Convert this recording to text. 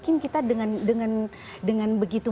kita dengan begitu